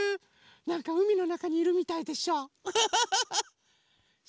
なんかうみのなかにいるみたいでしょ？ウフフフッ！